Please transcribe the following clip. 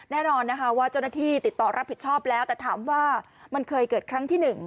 แน่นอนนะคะว่าเจ้าหน้าที่ติดต่อรับผิดชอบแล้วแต่ถามว่ามันเคยเกิดครั้งที่๑